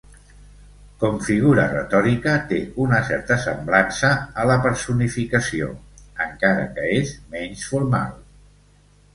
Com figura retòrica, té una certa semblança a la personificació, encara que és menys formal.